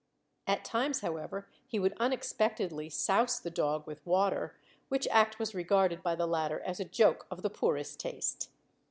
At times, however, he would unexpectedly souse the dog with water, which act was regarded by the latter as a joke of the poorest taste.